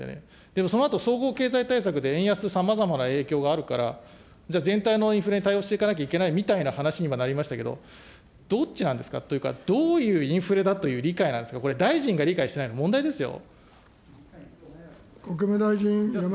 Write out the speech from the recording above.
でもそのあと総合経済対策で円安、さまざまな影響があるから、じゃあ全体のインフレに対応していかなきゃいけないみたいな話にもなりましたけれども、どっちなんですか、というか、どういうインフレだという理解なんですか、これ、大臣が理解してないの、問題ですよ。